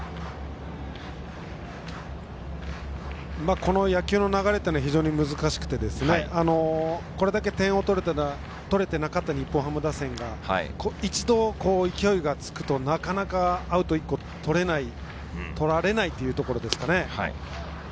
この野球の流れというのは非常に難しくてこれだけ点を取れていなかった日本ハム打線が一度勢いがつくと、なかなかアウト一個を取れない取られないというところですかね。